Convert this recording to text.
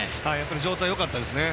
状態よかったですね。